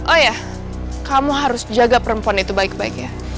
oh ya kamu harus jaga perempuan itu baik baik ya